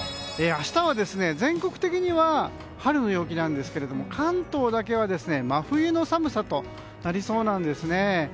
明日は全国的には春の陽気なんですけれども関東だけは真冬の寒さとなりそうなんですね。